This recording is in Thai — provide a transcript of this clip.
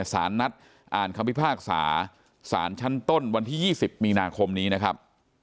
สารนัดอ่านคำพิพากษาสารชั้นต้นวันที่๒๐มีนาคมนี้นะครับ